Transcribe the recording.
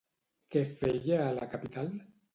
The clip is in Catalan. Què feia a la capital?